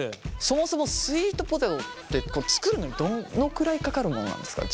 そもそもスイートポテトって作るのにどのくらいかかるものなんですか？